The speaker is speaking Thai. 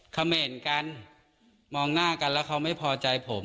เขม่นกันมองหน้ากันแล้วเขาไม่พอใจผม